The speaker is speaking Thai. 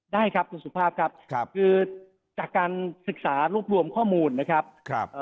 ได้ครับคุณสุภาพครับคือการศึกษารูปรวมข้อมูลนะครับ